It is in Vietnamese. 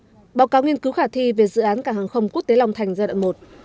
và báo cáo nghiên cứu khả thi về dự án cảng hàng không quốc tế long thành giai đoạn một